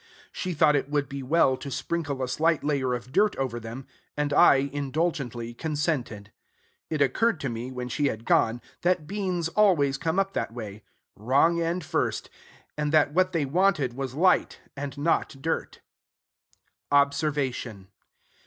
She thought it would be well to sprinkle a slight layer of dirt over them; and I, indulgently, consented. It occurred to me, when she had gone, that beans always come up that way, wrong end first; and that what they wanted was light, and not dirt. Observation.